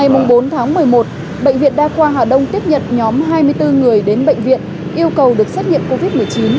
ngày bốn tháng một mươi một bệnh viện đa khoa hà đông tiếp nhận nhóm hai mươi bốn người đến bệnh viện yêu cầu được xét nghiệm covid một mươi chín